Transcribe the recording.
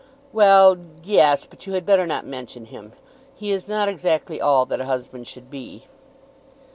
"Well, yes; but you had better not mention him. He is not exactly all that a husband should be."